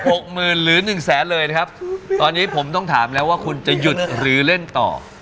หกหมื่นหรือหนึ่งแสนเลยนะครับตอนนี้ผมต้องถามแล้วว่าคุณจะหยุดหรือเล่นต่อ